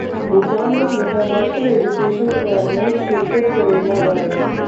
भूटान में international education fair में शिरकत करेगा भारत